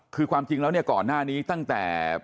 คือความจริงแล้วเนี่ยก่อนหน้านี้ตั้งแต่